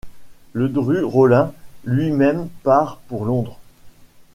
Ledru-Rollin lui-même part pour Londres.